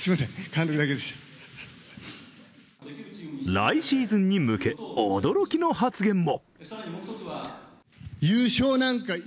来シーズンに向け、驚きの発言も。